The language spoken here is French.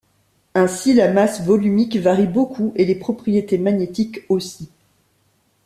Ainsi la masse volumique varie beaucoup et les propriétés magnétiques aussi.